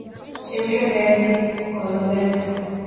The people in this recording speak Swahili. chemsha viazi kwa maganda